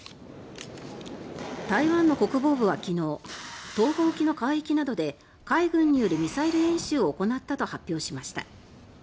台湾の国防部は昨日東部沖の海域などで海軍によるミサイル演習を行ったと発表しました。